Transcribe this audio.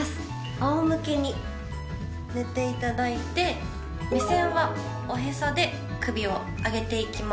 あお向けに寝ていただいて目線はおへそで首を上げていきます。